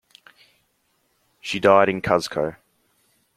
She died in Cuzco.